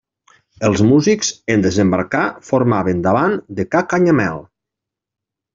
Els músics, en desembarcar, formaven davant de ca Canyamel.